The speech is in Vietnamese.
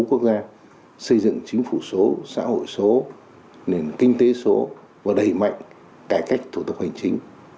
quốc gia xây dựng chính phủ số xã hội số nền kinh tế số và đẩy mạnh cải cách thủ tục hành chính